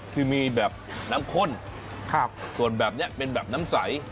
คือมีแบบน้ำข้นส่วนแบบนี้เป็นแบบน้ำใส